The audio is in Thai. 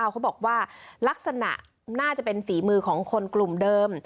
เขาบอกว่าลักษณะน่าจะเป็นฝีมือของคนกลุ่มเดิม